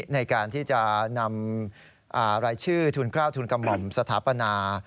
ในการที่จะนำรายชื่อทุนกล้าวทุนกระหม่อมสถาปนา